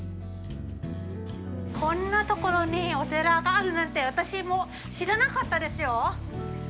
こんなところにお寺があるなんて私も知らなかったですよ。